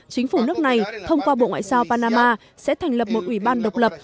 chính phủ nước này thông qua bộ ngoại giao panama sẽ thành lập một ủy ban độc lập